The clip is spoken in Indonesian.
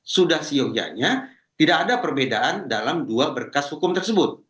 sudah seyoganya tidak ada perbedaan dalam dua berkas hukum tersebut